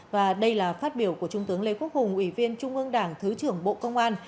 và đây là phát biểu của trung tướng lê quốc hùng ủy viên trung ương đảng thứ trưởng bộ công an